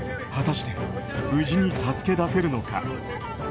果たして、無事に助け出せるのか。